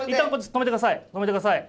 止めてください。